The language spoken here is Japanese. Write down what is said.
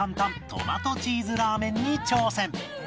トマトチーズラーメンに挑戦